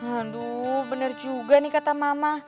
aduh benar juga nih kata mama